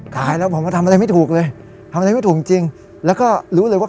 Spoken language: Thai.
ขายแล้วผมก็ทำอะไรไม่ถูกเลยทำอะไรไม่ถูกจริงแล้วก็รู้เลยว่า